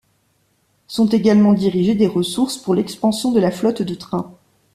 Sont également dirigé des ressources pour l'expansion de la flotte de trains.